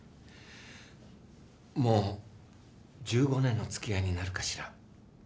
もう１５年の付き合いになるかしら。